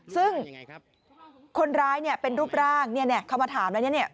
ซึ่งคนร้ายเป็นรูปร่างเขามาถามแล้วนี่